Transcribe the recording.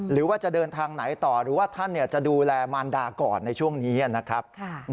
หรือว่าจะเดินทางไหนต่อหรือว่าท่านจะดูแลมารดาก่อนในช่วงนี้นะครับ